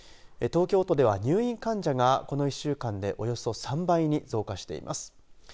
東京都では入院患者がこの１週間でおよそ３倍に増加しています。